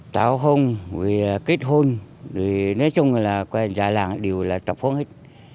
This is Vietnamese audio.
tàu hôn kết hôn nếu chung là già làng đều là tập hôn hết